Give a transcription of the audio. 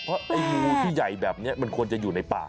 เพราะไอ้งูที่ใหญ่แบบนี้มันควรจะอยู่ในป่า